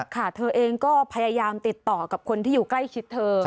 ค่ะเธอเองก็พยายามติดต่อกับคนที่อยู่ใกล้ชิดเธอ